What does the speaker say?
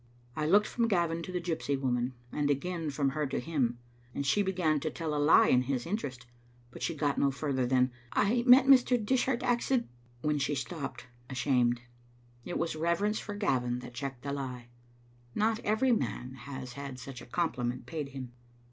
I looked from Gavin to the gypsy woman, and again from her to him, and she began to tell a lie in his interest. But she got no farther than " I met Mr. Dis hart accid " when she stopped, ashamed. It was Digitized by VjOOQ IC reverence for Gavin that checked the lie. Not every man has had such a compliment paid him.